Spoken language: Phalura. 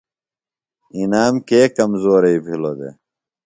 انعام کے کمزوئی بِھلوۡ دےۡ؟